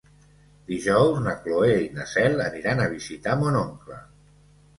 Dijous na Cloè i na Cel aniran a visitar mon oncle.